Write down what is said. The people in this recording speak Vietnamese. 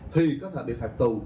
thì có thể bị phạt tù